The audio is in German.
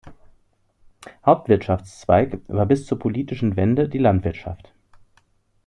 Hauptwirtschaftszweig war bis zur politischen Wende die Landwirtschaft.